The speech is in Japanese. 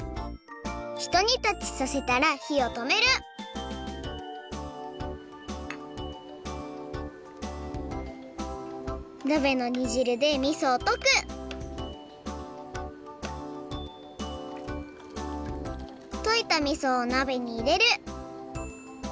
ひとにたちさせたらひをとめるなべのにじるでみそをとくといたみそをなべにいれる。